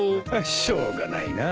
しょうがないな。